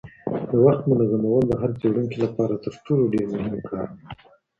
د وخت منظمول د هر څېړونکي لپاره تر ټولو ډېر مهم کار دی.